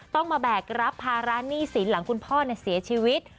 ต้องมาแบกรับภาระหนี้สินหลังคุณพ่อเสียชีวิต